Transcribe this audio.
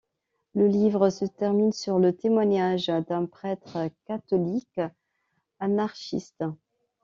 Le livre se termine sur le témoignage d’un prêtre catholique anarchiste.